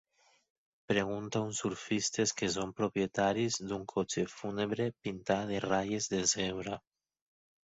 Pregunta a uns surfistes que són propietaris d'un cotxe fúnebre pintat de ratlles de zebra.